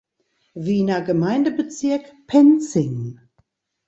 Wiener Gemeindebezirk, Penzing.